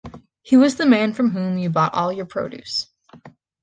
He was the man from whom you bought all your produce.